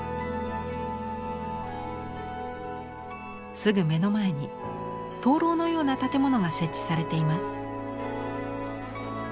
すぐ目の前に灯籠のような建物が設置されています。